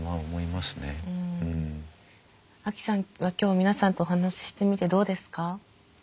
アキさんは今日皆さんとお話ししてみてどうですか？